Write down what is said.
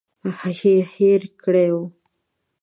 هېر کړي وو.